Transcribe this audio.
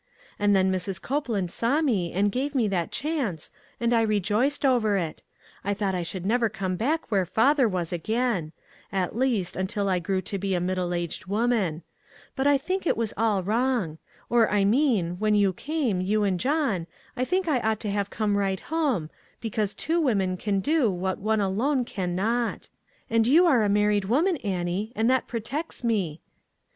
And then Mrs. Copeland saw me and gave me that chance, and I rejoiced over it. I thought 2O6 ONE COMMONPLACE DAY. I should never come back where father was again ; at least, until I grew to be a mid dle aged woman. But I think it was all wrong. Or I mean, when you came, } ou and John, I think I ought to have come right home, because two women can do what one alone can not. And } ou are a married woman, Annie, and that protects me."